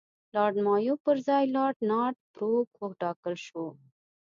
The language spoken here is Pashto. لارډ مایو پر ځای لارډ نارت بروک وټاکل شو.